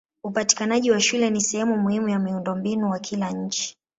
Upatikanaji wa shule ni sehemu muhimu ya miundombinu wa kila nchi.